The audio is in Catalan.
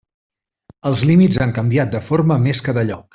Els límits han canviat de forma més que de lloc.